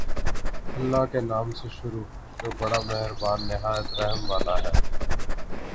اللہ کے نام سے شروع جو بڑا مہربان نہایت رحم والا ہے